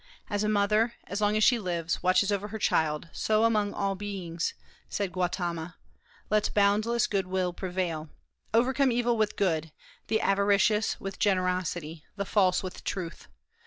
"As a mother, as long as she lives, watches over her child, so among all beings," said Gautama, "let boundless good will prevail.... Overcome evil with good, the avaricious with generosity, the false with truth....